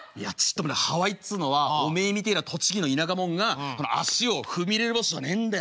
まだハワイっつうのはおめえみてえな栃木の田舎者が足を踏み入れる場所じゃねえんだよ。